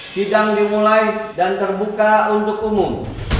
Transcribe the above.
sidang dimulai dan terbuka untuk umum